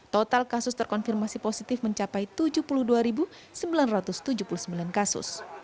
total kasus terkonfirmasi positif mencapai tujuh puluh dua sembilan ratus tujuh puluh sembilan kasus